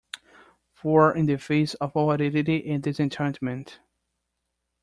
For in the face of all aridity and disenchantment